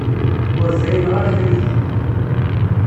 Ur frineɣ ara abrid-a.